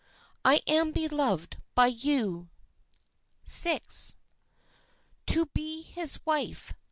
I am beloved by you. VI. To be his wife!